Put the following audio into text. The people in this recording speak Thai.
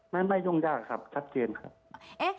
ไม่ยุ่งยากครับชัดเจนครับ